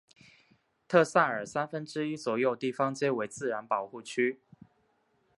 特塞尔三分之一左右地方皆为自然保护区。